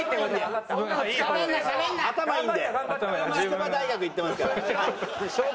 筑波大学行ってますから。